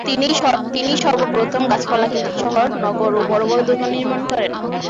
তিনি-ই সর্ব প্রথম গাছপালা কেটে শহর, নগর ও বড় বড় দুর্গ নির্মাণ করেন।